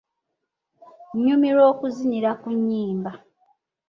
Nnyumirwa okuzinira ku nnyimba.